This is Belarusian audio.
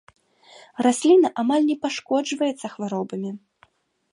Расліна амаль не пашкоджваецца хваробамі.